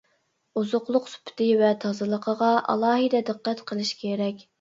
ئوزۇقلۇق سۈپىتى ۋە تازىلىقىغا ئالاھىدە دىققەت قىلىش كېرەك.